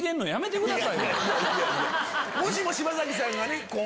もしも柴咲さんが。